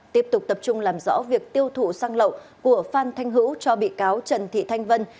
tiếp tục tập trung làm rõ việc tiêu thụ xăng lậu của phan thanh hữu cho bị cáo trần thị thanh vân